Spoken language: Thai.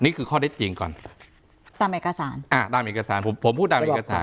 นี่คือข้อได้จริงก่อนตามเอกสารอ่าตามเอกสารผมผมพูดตามเอกสาร